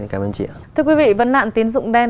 cảm ơn chị ạ thưa quý vị vấn nạn tín dụng đen